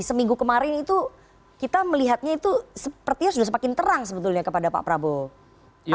seminggu kemarin itu kita melihatnya itu sepertinya sudah semakin terang sebetulnya kepada pak prabowo